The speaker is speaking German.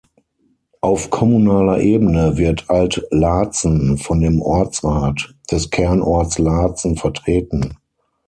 Auf kommunaler Ebene wird Alt-Laatzen von dem Ortsrat des Kernortes Laatzen vertreten.